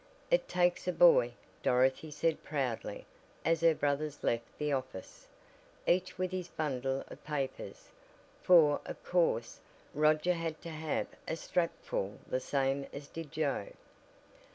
"It takes a boy," Dorothy said proudly, as her brothers left the office, each with his bundle of papers, for, of course, Roger had to have a strap full the same as did Joe.